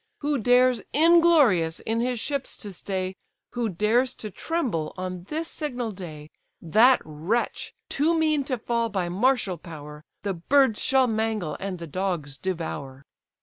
Who dares, inglorious, in his ships to stay, Who dares to tremble on this signal day; That wretch, too mean to fall by martial power, The birds shall mangle, and the dogs devour."